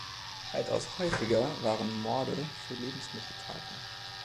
Weitaus häufiger waren Morde für Lebensmittelkarten.